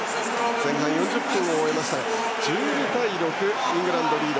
前半４０分を終えて１２対６でイングランドがリード。